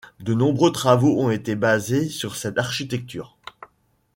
De nombreux travaux ont été basés sur cette architecture.